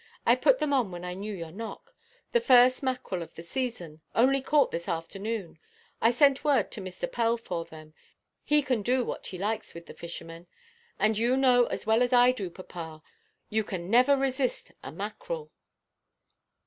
I put them on when I knew your knock. The first mackerel of the season, only caught this afternoon. I sent word to Mr. Pell for them. He can do what he likes with the fishermen. And you know as well as I do, papa, you can never resist a mackerel."